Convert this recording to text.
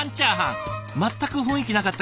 全く雰囲気なかったけど。